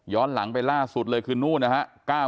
หลังไปล่าสุดเลยคือนู่นนะครับ